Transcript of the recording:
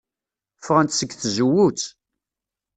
Ffɣent seg tzewwut.